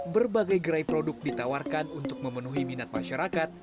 berbagai gerai produk ditawarkan untuk memenuhi minat masyarakat